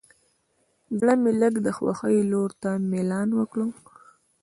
زړه مې لږ د خوښۍ لور ته میلان وکړ.